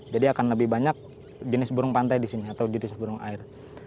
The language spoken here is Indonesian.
jadi akan lebih banyak jenis burung pantai di sini atau jenis burung air